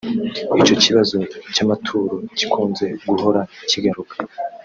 Icyo kibazo cy’amaturo gikunze guhora kigaruka